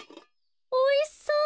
おいしそう。